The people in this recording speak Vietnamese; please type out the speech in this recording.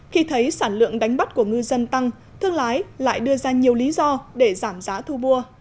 khi thấy sản lượng đánh bắt của ngư dân tăng thương lái lại đưa ra nhiều lý do để giảm giá thu mua